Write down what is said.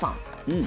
うん。